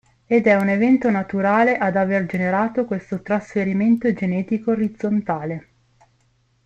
Ed è un evento naturale ad aver generato questo trasferimento genetico orizzontale.